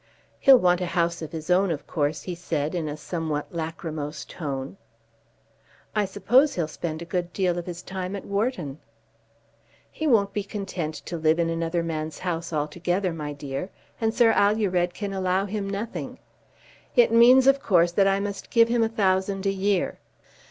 "He'll want a house of his own, of course," he said, in a somewhat lachrymose tone. "I suppose he'll spend a good deal of his time at Wharton." "He won't be content to live in another man's house altogether, my dear; and Sir Alured can allow him nothing. It means, of course, that I must give him a thousand a year.